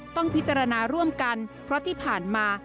ต้องพิจารณาร่วมกันเพราะที่ผ่านมา